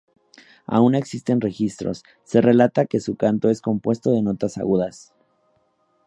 Aunque no existen registros, se relata que su canto es compuesto de notas agudas.